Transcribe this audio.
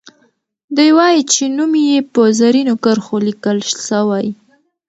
دوي وايي چې نوم یې په زرینو کرښو لیکل سوی.